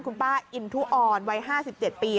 คุณป้าอินทุออนวัย๕๗ปี